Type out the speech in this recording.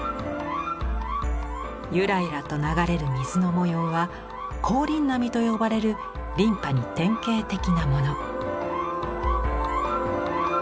ゆらゆらと流れる水の模様は「光琳波」と呼ばれる琳派に典型的なもの。